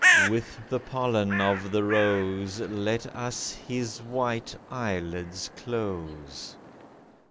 With the pollen of the rose Let us his white eyelids close.